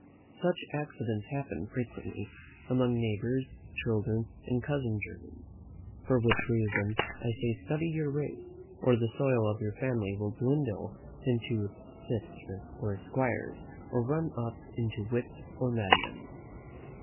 Such accidents happen frequently among neighbours' children, and cousin germans. For which reason I say study your race, or the soil of your family will dwindle into cits or 'squires, or run up into wits or madmen.